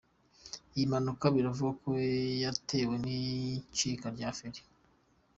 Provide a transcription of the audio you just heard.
Iyi mpanuka biravugwa ko yatewe n’icika rya feri.